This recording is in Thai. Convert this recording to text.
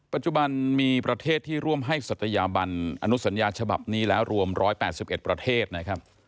ปัจจุบันมีประเทศที่ร่วมให้ศัตยาบันอนุสัญญาฉบับนี้แล้วรวม๑๘๑ประเทศนะครับ